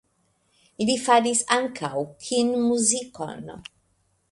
Li faris ankaŭ kinmuzikon.